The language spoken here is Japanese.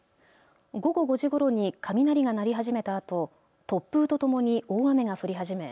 午後５時ごろに雷が鳴り始めたあと突風とともに大雨が降り始め